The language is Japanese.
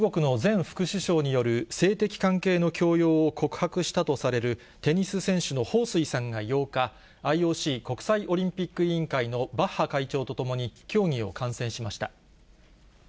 中国の前副首相による性的関係の強要を告白したとされるテニス選手のほうすいさんが８日、ＩＯＣ・国際オリンピック委員会のバッハ会長と共に競技を観戦しました。